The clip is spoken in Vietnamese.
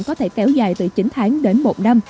có thể kéo dài từ chín tháng đến một năm